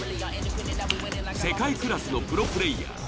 世界クラスのプロプレイヤー。